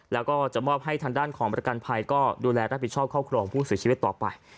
แล้วก็จะมอบให้ทางด้านของประกันภัยก็ดูแลรับผิดชอบครอบครัวของผู้เสียชีวิตต่อไป